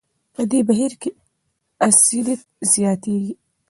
په دې بهیر کې اسیدیت زیاتېږي.